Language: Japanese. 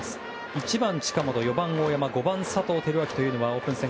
１番、近本、４番、大山５番、佐藤輝明というのはオープン戦